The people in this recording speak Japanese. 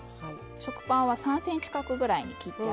食パンは３ｃｍ角ぐらいに切ってあります。